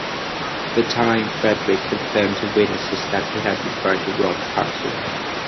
The dying Frederick confirmed to witnesses that he had been trying to rob Thompson.